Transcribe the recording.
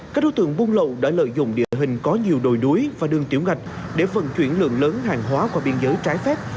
các đối tượng buôn lậu đã lợi dụng địa hình có nhiều đồi núi và đường tiểu ngạch để vận chuyển lượng lớn hàng hóa qua biên giới trái phép